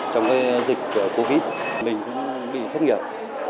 trong dịch covid một mươi chín mình bị thất nghiệp